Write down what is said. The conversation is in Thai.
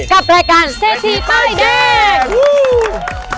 กับรายการเศรษฐีป้ายแดง